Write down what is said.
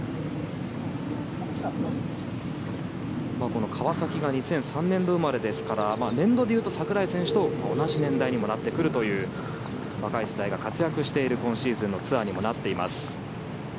この川崎が２００３年度生まれですから年度でいうと櫻井選手と同じ年代にもなってくるという若い世代が活躍している今シーズンのツアーにもなっています。